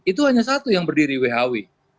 itu hanya satu yang berdiri whow